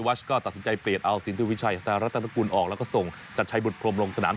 ก็จะทำกากเป็นพอรพฤตของทีมชาติไทยไปลองฟังบางตอนกันครับ